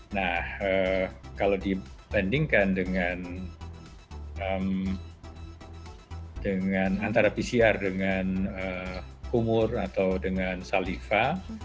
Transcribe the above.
nah kalau dibandingkan dengan antara pcr dengan kumur atau dengan saliva